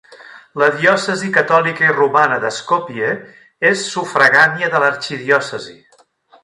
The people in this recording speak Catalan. La diòcesi catòlica i romana de Skopje és sufragània de l'arxidiòcesi.